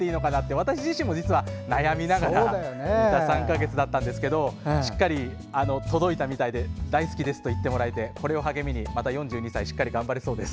私自身も実は悩みながらいた３か月だったんですがしっかり届いたみたいで大好きですと言ってもらえてこれを励みに、また４２歳しっかり頑張れそうです。